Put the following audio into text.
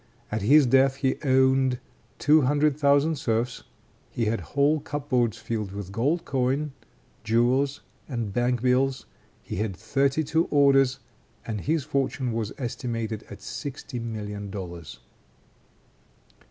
At his death he owned two hundred thousand serfs; he had whole cupboards filled with gold coin, jewels, and bank bills; he held thirty two orders, and his fortune was estimated at sixty million dollars.